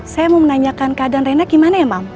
saya mau menanyakan keadaan rena gimana ya mam